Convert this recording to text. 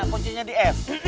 koncinya di f